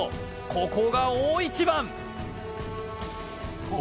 ここが大一番！